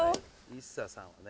ＩＳＳＡさんはね